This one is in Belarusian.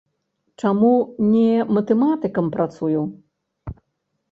Чаму не матэматыкам працую?